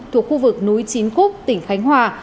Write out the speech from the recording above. thuộc khu vực núi chín khúc tỉnh khánh hòa